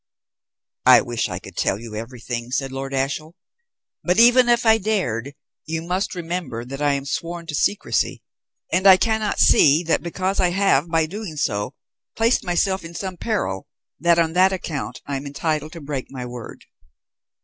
"I wish I could tell you everything," said Lord Ashiel, "but even if I dared, you must remember that I am sworn to secrecy, and I cannot see that because I have, by doing so, placed myself in some peril, that on that account I am entitled to break my word.